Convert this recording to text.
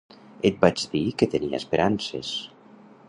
Et vaig dir que tenia esperances.